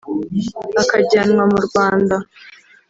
bakajyanwa mu Rwanda